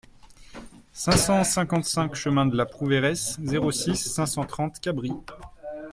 cinq cent cinquante-cinq chemin de la Prouveiresse, zéro six, cinq cent trente, Cabris